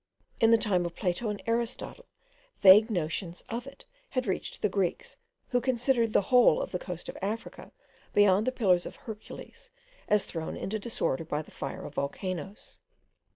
In the time of Plato and Aristotle, vague notions of it had reached the Greeks, who considered the whole of the coast of Africa, beyond the Pillars of Hercules, as thrown into disorder by the fire of volcanoes.